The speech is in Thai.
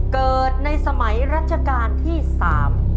เกิดในสมัยรัชกาลที่สาม